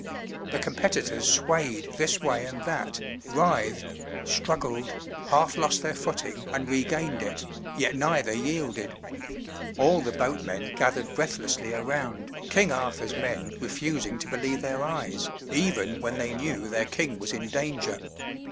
The competitors swayed this way and that, writhed, struggled, half lost their footing and regained it, yet neither yielded. All the boatmen gathered breathlessly around, King Arthur's men refusing to believe their eyes, even when they knew their king was in danger.